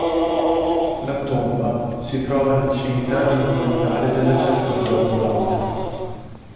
La tomba si trova nel Cimitero monumentale della Certosa di Bologna.